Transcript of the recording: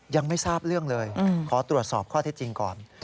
ยังไม่ทราบเรื่องเลยขอตรวจสอบข้อเท็จจริงก่อน